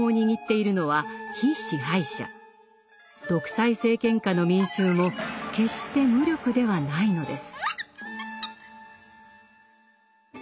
独裁政権下の民衆も決して無力ではないのです。